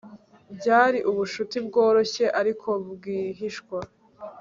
Byari ubucuti bworoshye ariko bwihishwa